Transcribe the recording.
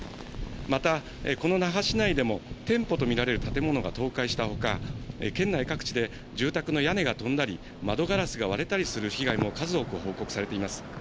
またこの那覇市内でも、店舗と見られる建物が倒壊したほか、県内各地で住宅の屋根が飛んだり、窓ガラスが割れたりする被害も数多く報告されています。